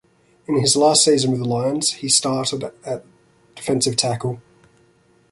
In his last season with the Lions, he started at defensive tackle.